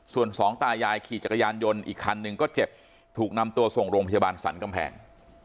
ส่วนสองตายายขี่จักรยานยนต์อีกคันหนึ่งก็เจ็บถูกนำตัวส่งโรงพยาบาลสรรกำแพง